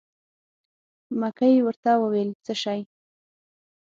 مکۍ ورته وویل: څه شی.